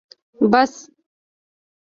🚍 بس